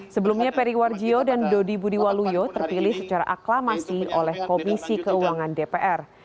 sebelumnya peri warjio dan dodi budi waluyo terpilih secara aklamasi oleh komisi keuangan dpr